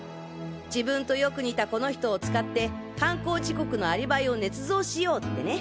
自分とよく似たこの人を使って犯行時刻のアリバイを捏造しようってね。